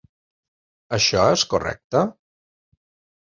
Això és correcte?